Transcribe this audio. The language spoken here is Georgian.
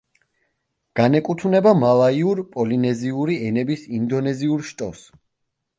განეკუთვნება მალაიურ-პოლინეზიური ენების ინდონეზიურ შტოს.